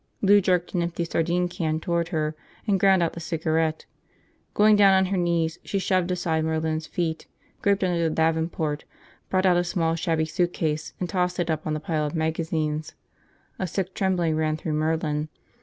Lou jerked an empty sardine can toward her and ground out the cigarette. Going down on her knees, she shoved aside Merlin's feet, groped under the davenport, brought out a small, shabby suitcase and tossed it up on the pile of magazines. A sick trembling ran through Merlin.